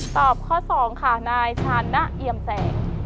ตอบข้อ๒ค่ะนายชานะเอียมแสง